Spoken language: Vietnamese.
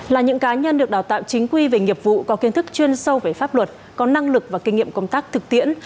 là những cá nhân được đào tạo chính quy về nghiệp vụ có kiến thức chuyên sâu về pháp luật có năng lực và kinh nghiệm công tác thực tiễn